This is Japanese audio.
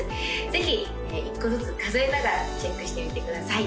ぜひ１個ずつ数えながらチェックしてみてください